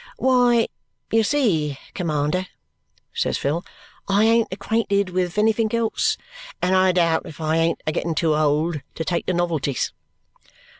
"Why, you see, commander," says Phil, "I ain't acquainted with anythink else, and I doubt if I ain't a getting too old to take to novelties."